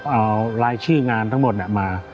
เอารายชื่องานทั้งหมดมา